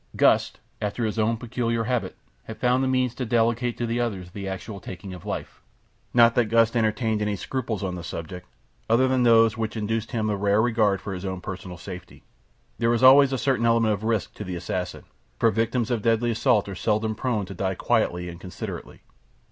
Gust, after his own peculiar habit, had found means to delegate to the others the actual taking of life. Not that Gust entertained any scruples on the subject, other than those which induced in him a rare regard for his own personal safety. There is always a certain element of risk to the assassin, for victims of deadly assault are seldom prone to die quietly and considerately.